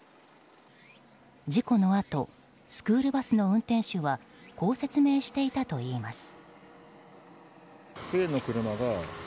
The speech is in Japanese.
事故のあとスクールバスの運転手はこう説明していたといいます。